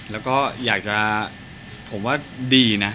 แล้วก็อยากจะผมว่าดีนะ